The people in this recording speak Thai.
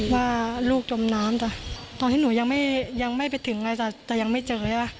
ว่าลูกจมน้ำจ้ะตอนที่หนูยังไม่ไปถึงอะไรจ้ะแต่ยังไม่เจอเนี่ย